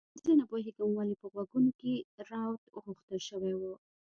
زه نه پوهیږم ولې په غوږونو کې روات غوښتل شوي وو